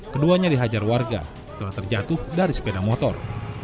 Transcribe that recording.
keduanya dihajar warga setelah terjatuh dari sepeda motor